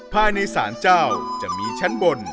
ภายในศาลเจ้าจะมีชั้นบน